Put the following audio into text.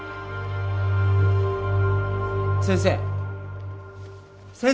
先生先生